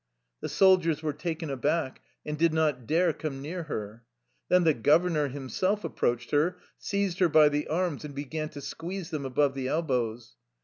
The soldiers were taken aback, and did not dare come near her. Then the governor himself ap proached her, seized her by the arms, and began to squeeze them above the elbows.